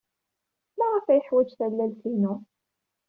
Maɣef ay yeḥwaj tallalt-inu?